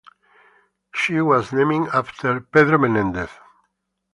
She was named after Pedro Menendez.